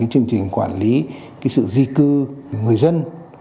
chương trình quản lý sự di cư người dân